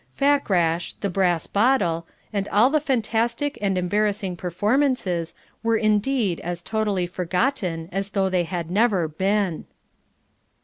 Fakrash, the brass bottle, and all the fantastic and embarrassing performances were indeed as totally forgotten as though they had never been.